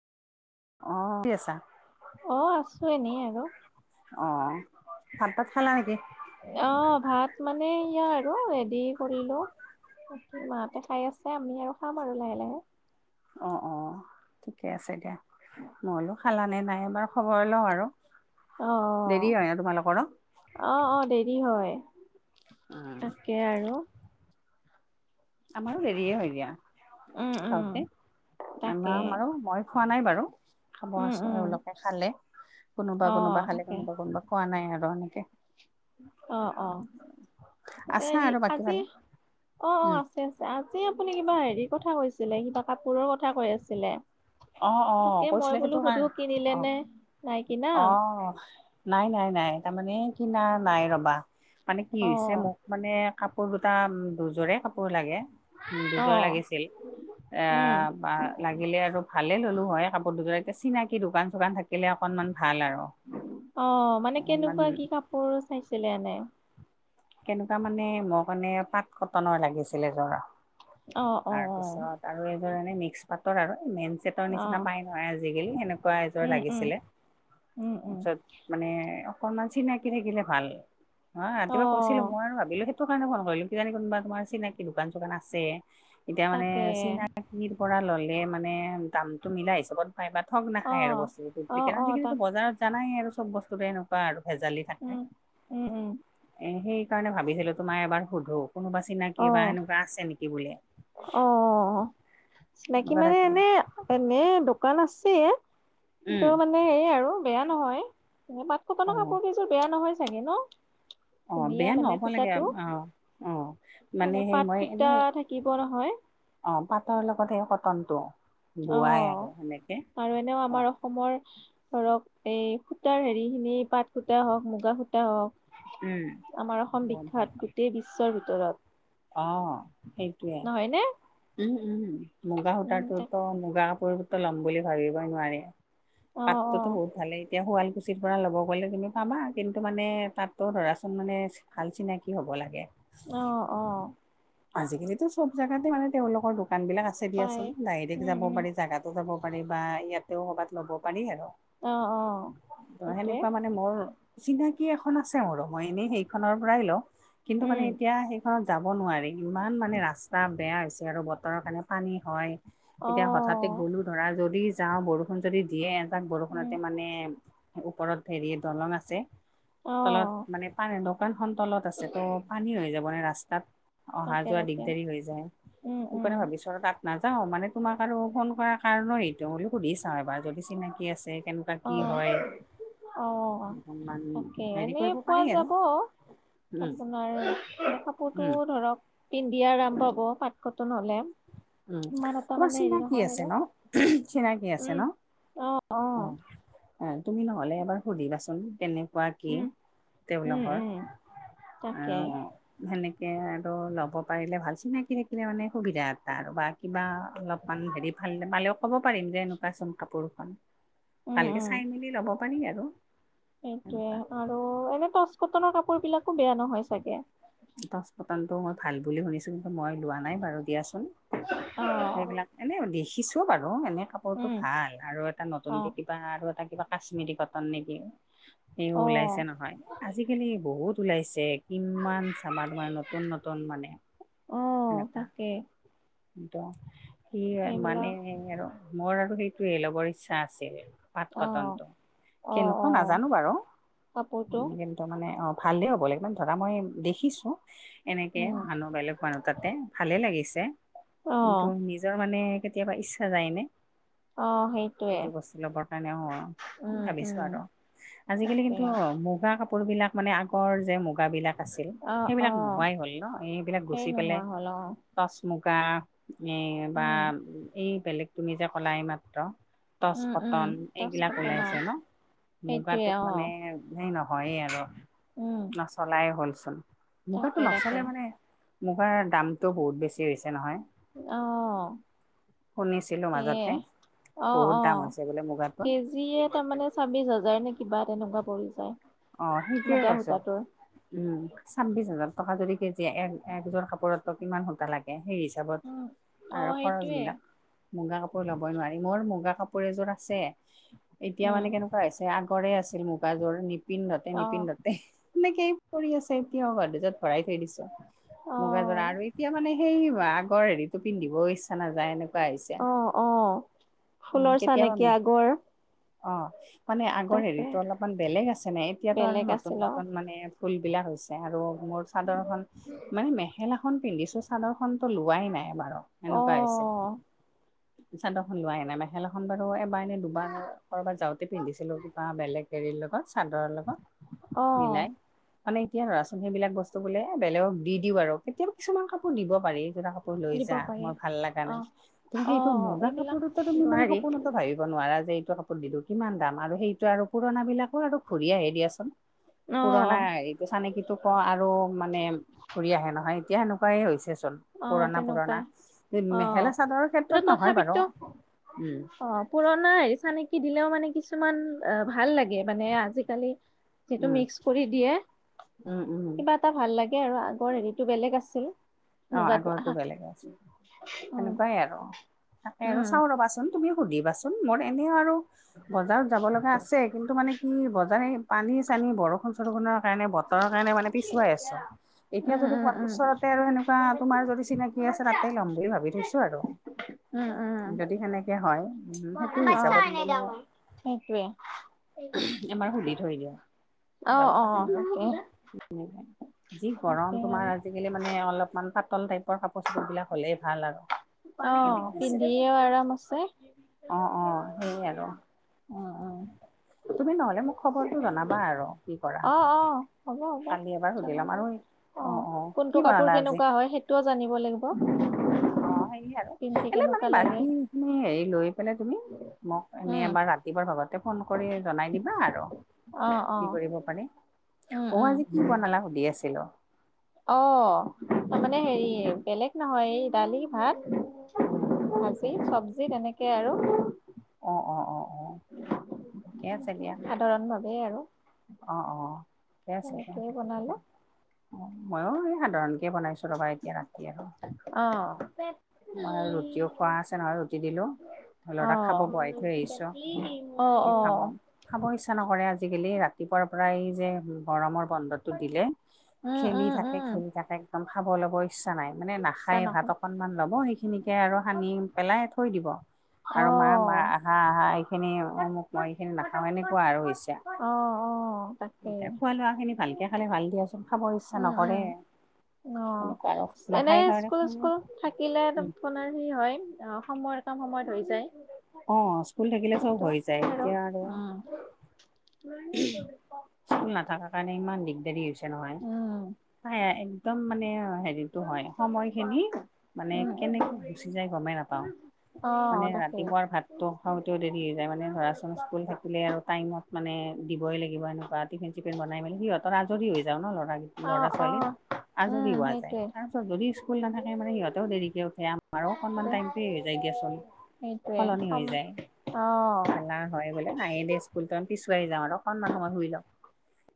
অ কি আছা অ আছো এনেই আৰু অ ভাত পাত খালা নেকি? অ ভাত মানে ইয়াৰ আৰু হেৰি কৰিলো তাকে মাহতে খাই আছে আমি আৰু খাম আৰু লাহে লাহে অ অ ঠিকে আছে দিয়া। মই লো খালা নে নাই এবাৰ খবৰ লওঁ আৰু অ দেৰি হয় অ ন তোমালোকৰ ন? অ অ দেৰি হয় উম, তাকে আৰু আমাৰো দেৰিয়ে হয় উম দিয়া উম খাওঁতে তাকে মামাম মাৰু মই খোৱা নাই বাৰু খাব উম আছো উম এওঁলোকে খালে কোনোবা অ - কোনোবা খালে তাকে কোনোবা - কোনোবা খোৱা নাই আৰু এনেকে। অ', অ', আছা হেৰি আৰু বাকী আজি ভালে। অ', অ', উম, আছ আছে আজি আপুনি কিবা হেৰিৰ কথা কৈছিলে কিবা কাপোৰৰ কথা কৈ আছিলে। অ', তাকে অ', মই কৈছিলে বোলো সেইটো সুধো কাৰণে কিনিলে নে অহ', নাই কিনা অহ ', নাই - নাই - নাই তাৰমানে কিনা নাই ৰবা মানে কি অ হৈছে মোক মানে কাপোৰ দুটা দুযোৰে কাপোৰ লাগে। অ দুযৰ লাগিছিল এ উম বা লাগিলে আৰু ভালে ললো হয় কাপোৰ দুযৰ, এতিয়া চিনাকি দোকান চোকান থাকিলে অকণমান ভাল আৰু। অ, মানে অকনমান কেনেকুৱা কি কাপোৰ চাইছিলে এনে। কেনেকুৱা মানে মোক মানে পাট কটনৰ লাগিছিলে যৰা। অ অ তাৰ পিছত আৰু এযোৰ এনে মিক্স পাতৰ আৰু মেইন চিত ৰ অ অ নিচিনা পাই নহয় আজিকালি সেনেকুৱা এযোৰ উম উম লাগিছিলে উম উম তাৰপিছত মানে অকনমান চিনাকি থাকিলে ভাল হ অ ৰাতিপুৱা কৈছিলো মই আৰু ভাবিলো সেইত টো কাৰণে ফোন কৰিলো কিজানি কোনোবা তোমাৰ চিনাকি দোকান চোকান আছে এতিয়া মানে তাকে চিনাক কিৰ পৰা ললে মানে দাম টো মিলা হিচাপত পাই বা ঠগ অ নাখায় আৰু বস্তুটো অ ডুপ্লিকেট অ আজিকালিটো তাক বজাৰত জানাই আৰু চব বস্তুতে এনেকুৱা আৰু ভেজালি থাকে। উম-উম-উম। সেইকাৰণে ভাবিছিলো তোমাকএবাৰ সোধো কোনোবা চিনাকি বা সেনেকুৱা আছে নেকি বুলি? অ', অ', অ চিনাকি এনেকুৱা মানে থাকিলে এনে-এনে দোকান আছে। কিন্তু উম মানে এই আৰু বেয়া নহয় অ পাতকটনৰ কাপোৰ কেইযোৰ বেয়া নহয় চাগে ন। অ ধুনীয়া বেয়া মানে নহ'ব লাগে সুতাটো অ অ মানে সেই পাত মই সুতা এনে থাকিব হয়। অ, পাটৰ লগত হে কটন টো। অ, আৰু এনেও অ আমাৰ অসমৰ ধৰক এই সূতাৰ হেৰি খিনি পাত সূতা হওক মুগা সূতা হওক। আমাৰ অসম বহুত ভাল বিখ্যাত গোটেই বিশ্বৰ ভিতৰত। অ, সেইটোৱে নহয়নে? উম-উম। মুগা উম তাক সূতাটোতো মুগাৰ পৰিৱৰ্ত ল'ম বুলি ভাবিবই নোৱাৰি অ পাতটোতো বহুত অ ভালে এতিয়া শুৱালকুছিৰ পৰা ল'ব গ'লে তুমি পাবা কিন্তু মানে তাতো ধৰাচোন মানে ভাল চিনাকি হ'ব লাগে। অ', অ', আজিকালিতো চব জেগাতে মানে তেওঁলোকৰ দোকান বিলাক আছে পায় দিয়াচোন ডাইৰেক্ট উম যাব উম পাৰি জোগাত যাব পাৰি বা ইয়াতেও কবাত ল'ব পাৰি আৰু। অ', অ', সেইটোৱে। মান মোৰ চিনাকি এখন আছে মোৰো মই এনেই সেইখনৰ পৰাই লও কিন্তু মানে উম এতিয়া সেই যাব নোৱাৰি ইমান মানে ৰাস্তা বেয়া হৈছে আৰু বতৰৰ কাৰণে পানী হয় অ এতিয়া হঠাৎ গলো ধৰা যদি যাও বৰষুণ যদি দিয়ে এ তাক উম বৰষুণতে মানে ওপৰত হেৰি দলং আছে অ তলত মানে পানীৰ দোকানখন তলত আছে ত' পানী হৈ যাব নে ৰাস্তাত। অহা তাকে যোৱা তাকে দিগদাৰি হৈ যায় উম সোনক উম ভাবিছ তাত নাযাও মানে তোমাক আৰু ফোন কৰা কাৰণো এইটো বোলো সুধি চাও এবাৰ যদি চিনাকি আছে কেনেকুৱা অ কি হয়। অ মান তাকে হেৰিৰি এনেই কৰিব পাৰি আৰু উম। অ, কাপোৰতো উম ধৰক পিন্ধি আৰম পাব পাত নলে উম ইমান এটা তোমাৰ মানে হেৰি চিনাকি নহয় আছে আৰু। ন চিনাকি আছে ন? উম অ', অ', অ, তুমি নহ'লে এবাৰ সুধিবাচোন কেনেকুৱা কি উম উম তেওঁলোকৰ উম তাকে আৰু অ, সেনেকৈ আৰু ল'ব পাৰিলে ভাল চিনাকি থাকিলে মানে সুবিধা এটা আৰু বা কিবা অলপ হেৰি ভাল পালেও ক'ব পাৰিম যে এনেকুৱা চোন কাপোৰখন উম ভালকে চাই মেলি ল'ব পাৰি আৰু। এনেকুৱা সেইটোৱে আৰু এনে টচ কটনৰ কাপোৰ বিলাকো বেয়া নহয় চাগে টচ কটনটো মই ভাল বুলি শুনিছোঁ কিন্তু মই লোৱা নাই বাৰু দিয়াচোন অ সেইবিলাক। এনে দেখিছো বাৰু এনে কাপোৰটো উম ভাল আৰু এটা নতুন অ দে। আৰু এটা কিবা কাশ্মিৰী কটন নেকি সেও অ ওলাইছে নহয় আজিকালি বহুত। ওলাইছে কিমান চাবা তোমাৰ নতুন নতুন মানে অ এনেকুৱা তাকে সেইটো কি হয় মানে এইবিলাক আৰু মোৰ আৰু সেইটোয়ে ল'বৰ ইচ্ ছা আছে পাত অ কটন টো অ কেনেকুৱা অ নাজানো বাৰু। কাপোৰটো ত মানে অ' ভালে হ'ব লাগিব মান ধৰা মই দেখিছোঁ এনেকে উম মানুহ বেলেগ। মানহ তাতে ভালেই লাগিছে। অ কিন্তু নিজৰ মানে কেতিয়াবা ইচ্ছা যায় নে অ সেইটোৱে সেইটো বস্তু ল'বৰ কাৰণে অ উম ভাবিছো উম আৰু আজিকালি তাকে কিন্তু মোক। কিবা কাপোৰ বিলাক মানে আগ গৰৰ যে মুগাবিলাক আছিল অ অ সেইবিলাক নোহোৱাই হ'ল ন এইবিলাক সেই গুচি পেলে। নোহোৱা হ'ল অ টচ মুগা এই বা উম এই বেলেগ তুমি যে কলাই মাত্ৰ। টচ উম উম কটন টচ এইবিলাক কটনৰ ওলাইছে ন' সেইটোৱে মুগাটো অ মানে হে নহয়ে আৰু উম নাচ। চলাই হ'লচোন মুগাৰটো তাকে তাকে নচলে মানে মুগাৰ দামটো বহুত বেছি হৈছে। নহয় অহ শুনিছিলোঁ সেয়ে মাজতে অ- বহুত অ দাম হৈছে বোলে মুগাটো কেজিয়ে তাৰমানে ছাব্বিশ হাজাৰ নে কিবা তেনেকুৱা পৰি যায় অ' সেইটোয়ে মুগা কৈছো সূতাটোৰ উম ছাব্বিশ হাজাৰ টকা যদি কেজিয়ে এক একযোৰ কাপোৰতো কিমান সূতা লাগে সেই হিচাপত উম অ আৰু সেইটোৱে খৰচবিলাক। মুগা কাপোৰ ল'বই নোৱাৰি। মোৰ মুগা কাপোৰ এযোৰ আছে। এতিয়া উম মানে কেনেকুৱা হৈছে। আগৰে আছিল মুগাযোৰ নিপিন্ধতে অ নিপিন্ধতে সেনেকে পৰি আছে এতিয়াও গদ্দেজত ভৰাই থৈ দিছোঁ। অ মুগাজোৰা আৰু এই এতিয়া মানে সেই আগৰ হেৰিটো পিন্ধিবও ইচ্ছা নাযায় এনেকুৱা হৈছে। অ অ ফুলৰ চাহ নেকি কেতিয়াবা আগৰ। অ' মানে আগৰ তাকে হেৰিতো অলপমান বেলেগ আছে নাই এতিয়াতো আৰু বেলেগ নতুন আছিল নতুন মানে। ফুলবিলা হৈছ ছে আৰু মোৰ চাদৰ খন মানে মেখেলা খন পিন্ধিছো চাদৰ খন তো লোৱাই নাই বাৰু। অ অ সেনেকুৱা হৈছে। চাদৰ খন লোৱাই নাই মেখেলা এখন বাৰু এবাৰ এনে দুবাৰ কৰবাত যাওঁতে পিন্ধিছিলো কিবা বেলেগ। এৰিৰ লগত চাদৰৰ লগত অ মিলাই মানে এতিয়া ধৰাচোন সেইবিলাক বস্তু বোলে এ বেলেগক দি দিওঁ বাৰু কেতিয়াবা কিছুমান কাপোৰ নিব পাৰি যেনে কা পোৰ লৈ দিব যা। পাৰি মোৰ ভাল লাগা অ নাই। তুমি অ সেইটো মুগা এইবিলাক কাপোৰতো তুমি মানে নোৱাৰি সপোনতো ভাবিব নোৱাৰা যে এইটো কা পোৰ দিলো কিমান দাম আৰু সেইটো আৰু পুৰণা বিলাকো আৰু ঘূৰি আহে দিয়াচোন। অ পুৰণা এই চানেকিটো কও আৰু মানে ঘূৰি আহে নহয়। এতিয়া সেনেকুৱাই হৈছে চোন। অ পুৰণা পুৰণা তেনেকুৱাই অ মেখেলা চাদৰ কিন্তু ক্ষেত্ৰত নহয় বাৰু। তথাপিতো উম। অ পুৰণা হেৰি চানেকি দিলেও মানে কিছুমান আ ভাল লাগে। মানে আজিকালি যিটো উম মিক্স কৰি দিয়ে উম উম কিবা এটা ভাল লাগে আৰু আগৰ হেৰিটো বেলেগ আছিল। অ মুগাটো আগৰটো আহা বেলেগ আছে। উম সেনেকুৱাই আৰু তাকে আৰু উম চাও ৰবা চোন তুমি সুধিবাচোন মোৰ এনে আৰু বজাৰত যাব লগা আছে। কিন্তু মানে কি বজাৰে পানী চানী বৰষুণ বৰষুণৰ কাৰণে বতৰৰ কাৰণে মানে পিছুৱাই আছো। এতিয়া উম যদি কবাত উম ওচৰতে আৰু এনেকু ৱা তোমাৰ যদি চিনাকি আছে তাতেই লম বুলি ভাবি থৈছো আৰু উম উম যদি সেনেকে হয়, উম। সেইটো হিচাপত লৈ ল উম সেইটোৱে এবাৰ সুধি থৈ দিয়া। অ যাব অ পাৰিম আৰু তাকে যি হে যি গৰম তাকে তোমাৰ আৰু আজিকালি মানে অলপ মান পাতল টাইপৰ কাপোৰ চাপোৰ বিলাক হ'লে ভাল আৰু। অ, সেনেকুৱা হৈছে পিন্ধিয়েও আৰাম আছে। অ', অ অ সেইয়ে আৰু অ', তুমি নহলে মোক খবৰটো জনাবা আৰু কি কৰা? অ অ হ'ব হ'ব কালি এবাৰ সুধি লম জনাব আৰু অ, কি কোনটো কাপোৰ বনালা আজি কেনেকুৱা হয় সেইটোও জানিব লাগিব। কোৱা? অ, হেৰি আৰু এনে মানে বাকীখিনি হেৰি লৈ পেলাই তুমি মোক এনে উম এবাৰ ৰা তিপুৱাৰ ভাগতে ফোন কৰি জনাই দিবা আৰু। অ অ কি কৰিব পাৰে উম, অ, উম, আজি কি বনালা সুধি আছিলো? অ, তা মানে হেৰি বেলেগ নহয় এই দালি, ভাত উম, ভাজি চব্জি তেনেকে আৰু। অ', অ', অ', অ', ঠিকে আছে দিয়া। ধৰণভাৱেই আৰু। অ', অ', ঠিকে আছে দিয়া তেনেকেই বনালো অ, ময়ো এই সাধাৰণকে বনাই ছো ৰবা এতিয়া ৰাতি আৰু। অ', অ', মই আৰু ৰুটিও খোৱা আছে নহয় ৰুটি দিলো। লৰাক অ', খাব অ', বোৱাই থৈ আহিছো সি খাব। খাব ইচ্ছা নকৰে আজিকালি ৰাতিপুৱাৰ পৰাই যে গৰমৰ বন্ধত টো দিলে উম, খেলি উম, থাকে - উম, খেলি থাকে একদম খাব ল'ব ইচ্ছা নাই, মানে ইচ্ছা নাখায় ভাত নহল অকন। কণমান লব সেইখিনিকে আৰু সানি পেলাই থৈ দিব। আৰু মা, বা অ', হা - হা এইখিনি মোক, মই এইখিনি নাখাও এনেকুৱা আৰু হৈছে। অ', অ', তাকে। খোৱা লোৱাখিনি ভালকে খালে ভাল দিয়াচোন খাবৰ ইচ্ছা উম, নকৰে, সেনেকুৱা আৰু। নাখায় এনেই কাৰণে স্কুল - স্কুল থাকিলে আপোনাৰ সেই হয় অ, সময়ৰ কাম সময়ত হৈ যায়। অ, স্কুল থাকিলে চব ত' হৈ সেই যায় এতিয়া আৰু। উম, স্কুল নাথাকা কাৰণে ইমান দিগদাৰি হৈছে নহয়। উম, একদম মানে হেৰিটো হয় সময় খিনি মানে কেনেকে গুচি উম, যাই গমেই নাপাও মানে অ', তাকেই ৰাতিপুৱাৰ ভাতটো খাওতেও দেৰি হৈ যায়। মানে ধৰাচোন স্কুল থাকিলে আৰু টাইমত মানে দিবই লাগিব এনেকুৱা টফিন চিফিন বনাই মেলি সিহতৰ আজৰি হৈ যাও ন ল'ৰা অ', ল'ৰা অ', ছোৱালীৰ আজৰি উম, হোৱা যায়। সেইটোৱে। তাৰপিছত যদি স্কুল নাথাকে মানে সিহঁতেও দেৰিকে উঠে। মাৰ অকনমান টাইমটো এৰি যায় দিয়াচোন। সেইটোৱে সলনি সম হৈ যায়। অ'। খেলা হয় বোলে। নাহে দে স্কুল তন পিছুৱাই যাও আৰু অকনমান সময় শুই লও।